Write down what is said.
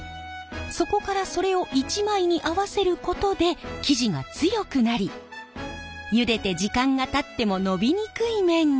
そこからそれを１枚に合わせることで生地が強くなりゆでて時間がたっても伸びにくい麺に。